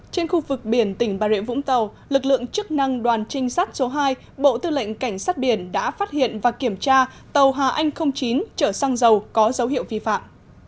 trên khu vực biển tỉnh bà rịa vũng tàu lực lượng chức năng đoàn trinh sát số hai bộ tư lệnh cảnh sát biển đã phát hiện và kiểm tra tàu hà anh chín chở xăng dầu có dấu hiệu vi phạm